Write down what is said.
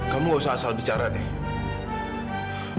kamu nggak usah asal bicara deh